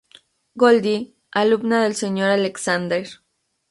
Goldie, alumna del Sr. Alexander.